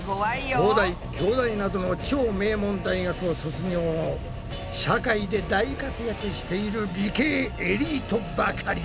東大京大などの超名門大学を卒業後社会で大活躍している理系エリートばかりだ。